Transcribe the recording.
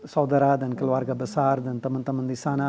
saudara dan keluarga besar dan teman teman di sana